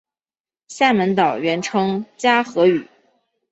厦门岛原称嘉禾屿。